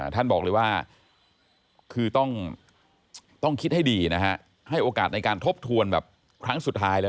ท่านบอกเลยว่าคือต้องคิดให้ดีนะฮะให้โอกาสในการทบทวนแบบครั้งสุดท้ายแล้ว